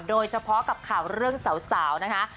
โดยเฉพาะกับข่าวเรื่องสาวนะคะ